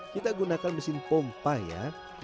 kita gunakan mesin pompa ya